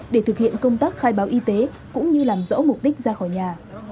để thực hiện công tác khai báo y tế cũng như làm rõ mục đích ra khỏi nhà